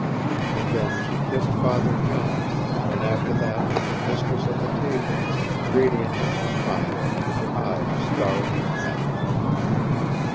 And then she kissed Father John, and after that was mistress at the table, radiant in her triumph and her eyes starry with happiness.